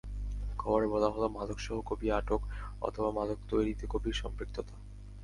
খবরে বলা হলো, মাদকসহ কবি আটক, অথবা মাদক তৈরিতে কবির সম্পৃক্ততা।